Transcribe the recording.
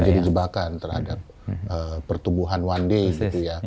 jadi jebakan terhadap pertumbuhan one day gitu ya